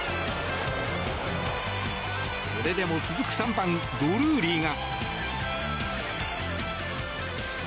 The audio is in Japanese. それでも続く３番、ドルーリーが。